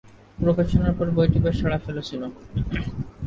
প্রকাশনার পর বইটি বেশ সাড়া ফেলেছিল।